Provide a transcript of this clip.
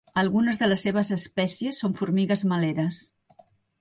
Algunes de les seves espècies són formigues meleres.